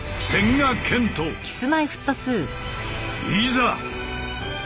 いざ！